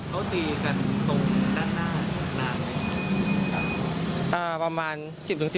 เขาตีกันตรงด้านหน้านานไหมครับ